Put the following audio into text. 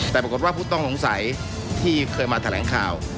แต่ปรากฏว่าผู้ต้องสงสัยที่เคยมาแถลงข่าว